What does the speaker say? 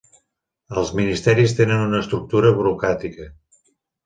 Els ministeris tenen una estructura burocràtica.